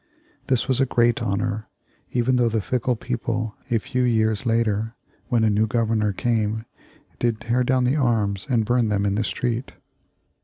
This was a great honor, even though the fickle people, a few years later, when a new Governor came, did tear down the arms and burn them in the street.